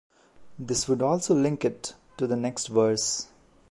This would also link it to the next verse.